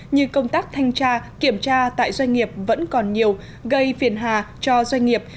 như công tác thanh tra kiểm tra tại doanh nghiệp vẫn còn nhiều gây phiền hà cho doanh nghiệp